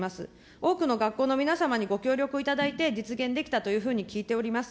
多くの学校の皆様にご協力をいただいて実現できたというふうに聞いております。